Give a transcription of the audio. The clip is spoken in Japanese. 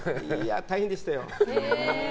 大変でしたよ。